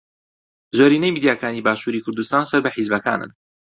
زۆرینەی میدیاکانی باشووری کوردستان سەر بە حیزبەکانن.